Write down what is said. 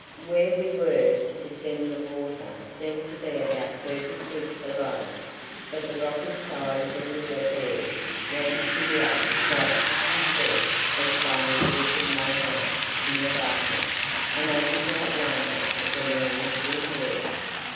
Where we were to descend the water seemed to be about thirty feet below, but the rocky side of the river bed ran sheer up quite fifty feet as far as we could make out in the darkness, and I did not wonder at the murmur we heard.